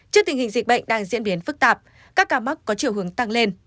trước tình hình dịch bệnh đang diễn biến phức tạp các ca mắc có chiều hướng tăng lên